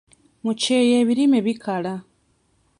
Mu kyeeya ebirime bikala.